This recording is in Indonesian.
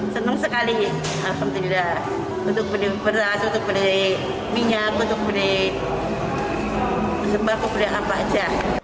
senang sekali alhamdulillah untuk beli beras untuk beli minyak untuk beli sembako beli apa aja